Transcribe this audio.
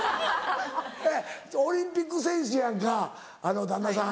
オリンピック選手やんか旦那さん。